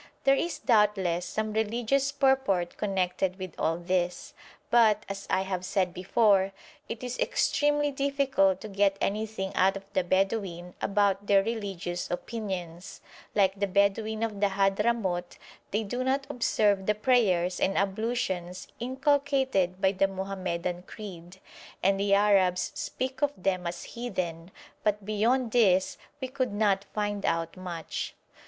There is doubtless some religious purport connected with all this, but, as I have said before, it is extremely difficult to get anything out of the Bedouin about their religious opinions; like the Bedouin of the Hadhramout, they do not observe the prayers and ablutions inculcated by the Mohammedan creed, and the Arabs speak of them as heathen, but beyond this we could not find out much.